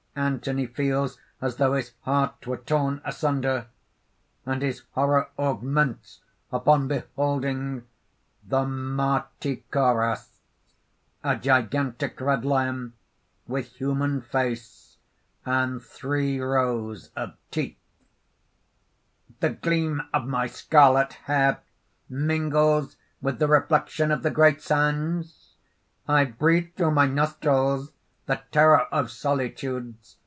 Anthony feels as though his heart were torn asunder._ And his horror augments upon beholding) THE MARTICHORAS (A gigantic red lion, with human face, and three rows of teeth): "The gleam of my scarlet hair mingles with the reflection of the great sands. I breathe through my nostrils the terror of solitudes.